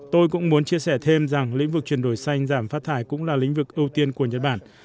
tôi cũng muốn chia sẻ thêm rằng lĩnh vực chuyển đổi xanh giảm phát thải cũng là lĩnh vực ưu tiên của nhật bản